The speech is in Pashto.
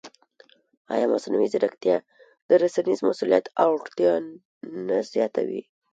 ایا مصنوعي ځیرکتیا د رسنیز مسؤلیت اړتیا نه زیاتوي؟